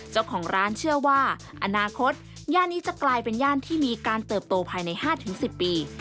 เจ้าของร้านเชื่อว่าอนาคตย่านนี้จะกลายเป็นย่านที่มีการเติบโตภายใน๕๑๐ปี